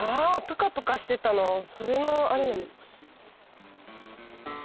プカプカしてたのそれのあれなんですね。